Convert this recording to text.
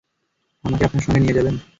আমাকে আপনার সঙ্গে নিয়ে যাবেন?